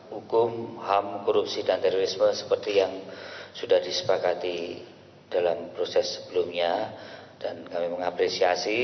hukum ham korupsi dan terorisme seperti yang sudah disepakati dalam proses sebelumnya dan kami mengapresiasi